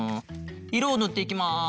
いろをぬっていきます。